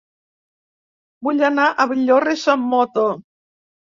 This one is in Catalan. Vull anar a Villores amb moto.